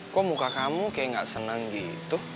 kok muka kamu kayak gak seneng gitu